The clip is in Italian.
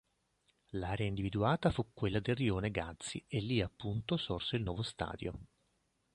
L'area individuata fu quella del rione Gazzi e lì appunto sorse il nuovo stadio.